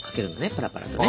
パラパラとね。